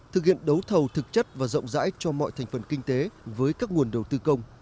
thực hiện đấu thầu thực chất và rộng rãi cho mọi thành phần kinh tế với các nguồn đầu tư công